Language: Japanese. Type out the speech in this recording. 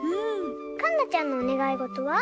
かんなちゃんのおねがいごとは？